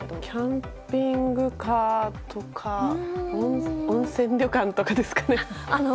キャンピングカーとか温泉旅館とかですかね。